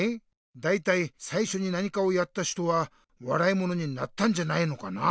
だいたいさいしょに何かをやった人はわらいものになったんじゃないのかな。